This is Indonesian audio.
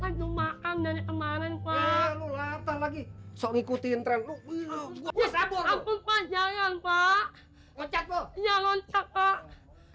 mau makan dari kemarin pak lagi ngikutin tren lu abu abu pak jangan pak ngoncat ya loncat pak